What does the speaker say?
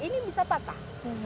ini bisa patah